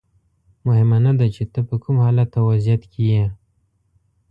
مهمه نه ده چې ته په کوم حالت او وضعیت کې یې.